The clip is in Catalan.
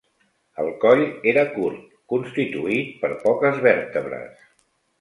El coll era curt, constituït per poques vèrtebres.